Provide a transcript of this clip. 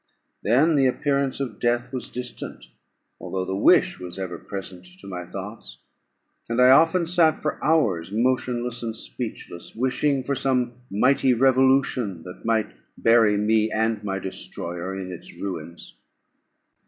Then the appearance of death was distant, although the wish was ever present to my thoughts; and I often sat for hours motionless and speechless, wishing for some mighty revolution that might bury me and my destroyer in its ruins.